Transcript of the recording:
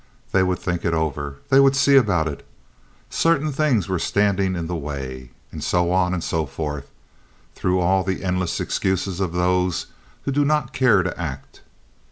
They would think it over. They would see about it. Certain things were standing in the way. And so on, and so forth, through all the endless excuses of those who do not care to act.